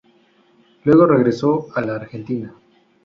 Luego regresó a la Argentina.